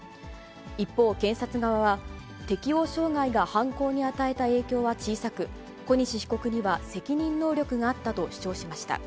一方、検察側は、適応障害が犯行に与えた影響は小さく、小西被告には責任能力があったと主張しました。